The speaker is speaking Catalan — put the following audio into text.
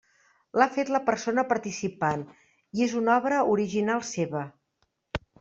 L'ha fet la persona participant i és una obra original seva.